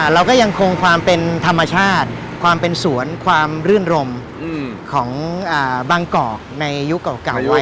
เราก็ยังคงความเป็นธรรมชาติความเป็นสวนความรื่นรมของบางกอกในยุคเก่าไว้